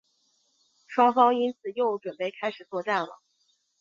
双方因此又准备开始作战了。